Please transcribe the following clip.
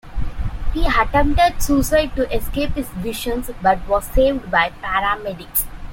He attempted suicide to escape his visions, but was saved by paramedics.